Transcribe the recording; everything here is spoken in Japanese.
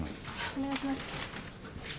お願いします。